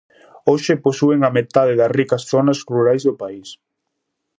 Hoxe posúen a metade das ricas zonas rurais do país.